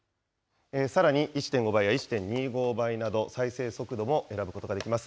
さらに１．５倍や１．２５倍など、再生速度も選ぶことができます。